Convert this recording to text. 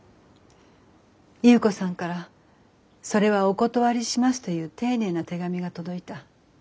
優子さんから「それはお断りします」という丁寧な手紙が届いた。